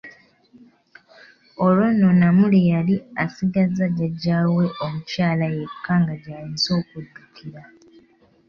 Olwo nno, Namuli yali asigaza jjaja we omukyala yekka nga gy'ayinza okuddukira.